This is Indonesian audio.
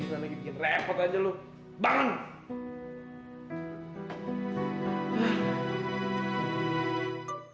gimana lagi bikin repot aja lu bangun